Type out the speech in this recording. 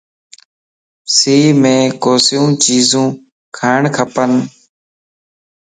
سيءَ مَ ڪوسيون چيزيون کاڻ کپن